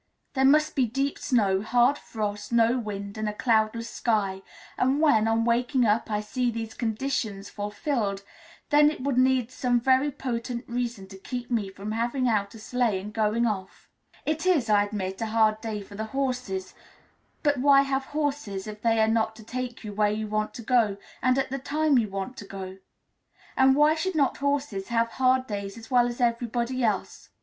There must be deep snow, hard frost, no wind, and a cloudless sky; and when, on waking up, I see these conditions fulfilled, then it would need some very potent reason to keep me from having out a sleigh and going off. It is, I admit, a hard day for the horses; but why have horses if they are not to take you where you want to go to, and at the time you want to go? And why should not horses have hard days as well as everybody else?